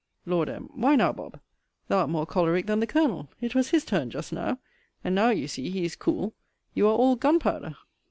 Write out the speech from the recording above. Lord M. Why now, Bob., thou art more choleric than the Colonel. It was his turn just now. And now you see he is cool, you are all gunpowder.